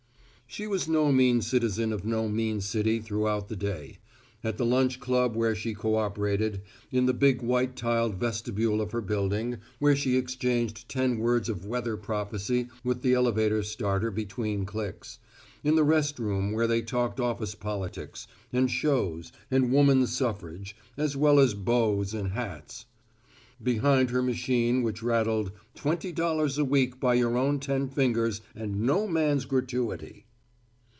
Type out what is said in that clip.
She was no mean citizen of no mean city throughout the day: at the lunch club where she coöperated; in the big white tiled vestibule of her building where she exchanged ten words of weather prophecy with the elevator starter between clicks; in the rest room where they talked office politics, and shows, and woman suffrage, as well as beaux and hats; behind her machine which rattled "twenty dollars a week by your own ten fingers and no man's gratuity."